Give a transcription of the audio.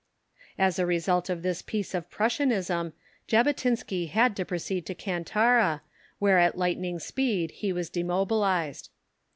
As a result of this piece of Prussianism, Jabotinsky had to proceed to Kantara, where at lightning speed he was demobilised.